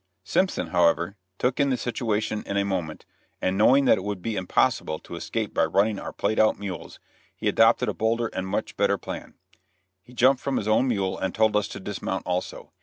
Simpson, however, took in the situation in a moment, and knowing that it would be impossible to escape by running our played out mules, he adopted a bolder and much better plan. He jumped from his own mule, and told us to dismount also.